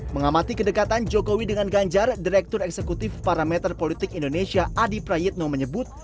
mengamati kedekatan jokowi dengan ganjar direktur eksekutif parameter politik indonesia adi prayitno menyebut